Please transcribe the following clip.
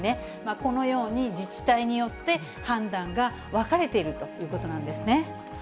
このように自治体によって判断が分かれているということなんです